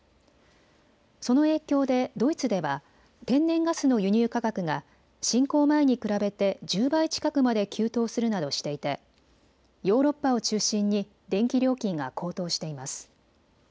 その影響でドイツでは天然ガスの輸入価格が侵攻前に比べて１０倍近くまで急騰するなどしていてヨーロッパを中心に電気料金が高騰しています。